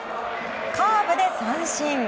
カーブで三振。